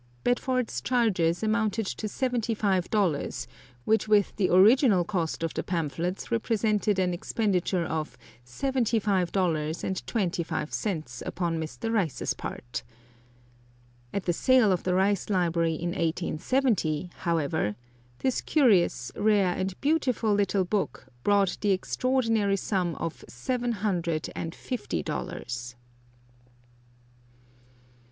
Bedford's charges amounted to seventy five dollars, which with the original cost of the pamphlets represented an expenditure of seventy five dollars and twenty five cents upon Mr. Rice's part. At the sale of the Rice library in 1870, however, this curious, rare, and beautiful little book brought the extraordinary sum of seven hundred and fifty dollars!